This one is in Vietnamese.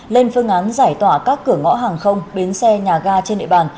lên phương án giải tỏa các cửa ngõ hàng không bến xe nhà ga trên địa bàn